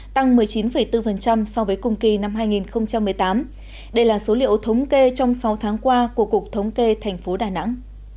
tăng một mươi chín bốn so với cùng kỳ năm hai nghìn một mươi tám đây là số liệu thống kê trong sáu tháng qua của cục thống kê thành phố đà nẵng